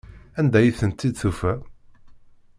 Anda ay tent-id-tufa?